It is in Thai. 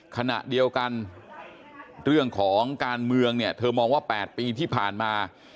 ขณะเดียวกันเรื่องของการเมืองเนี่ยเธอมองว่า๘ปีที่ผ่านมา